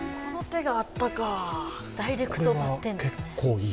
ダイレクトバッテンですね。